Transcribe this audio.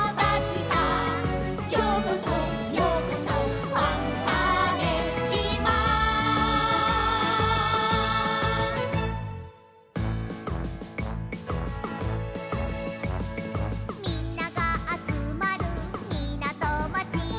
「ようこそようこそファンターネ島」「みんながあつまるみなとまち」